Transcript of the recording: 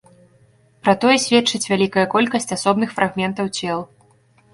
Пра тое сведчыць вялікая колькасць асобных фрагментаў цел.